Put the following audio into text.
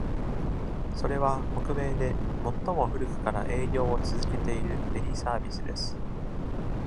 それは、北米で、最も古くから営業を続けているフェリー・サービスです。